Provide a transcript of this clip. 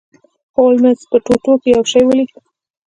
هولمز په ټوټو کې یو شی ولید.